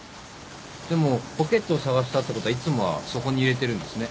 でもポケットを捜したってことはいつもはそこに入れてるんですね。